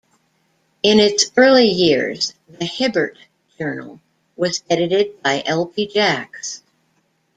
In its early years, "The Hibbert Journal" was edited by L. P. Jacks.